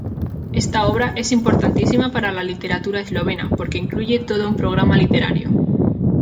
Esta obra es importantísima para la literatura eslovena porque incluye todo un programa literario.